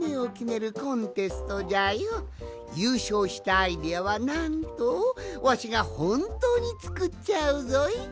ゆうしょうしたアイデアはなんとわしがほんとうにつくっちゃうぞい！